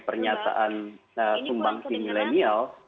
pernyataan sumbangsi milenial